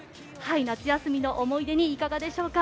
夏休みの思い出にいかがでしょうか。